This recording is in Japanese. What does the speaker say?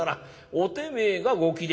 おてめえがご貴殿」。